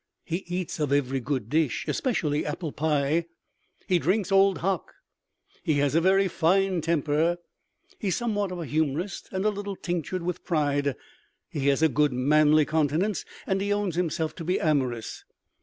He eats of every good dish, especially apple pie. He drinks Old Hock. He has a very fine temper. He is somewhat of a humorist and a little tinctured with pride. He has a good manly countenance, and he owns himself to be amorous.